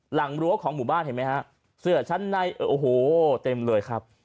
รั้วของหมู่บ้านเห็นไหมฮะเสื้อชั้นในโอ้โหเต็มเลยครับ